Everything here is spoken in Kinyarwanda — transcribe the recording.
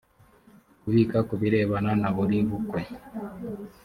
kubika ku birebana na buri bukwe.